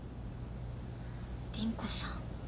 凛子さん。